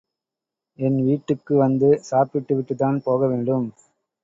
என் வீட்டுக்கு வந்து சாப்பிட்டு விட்டுத்தான் போகவேண்டும்.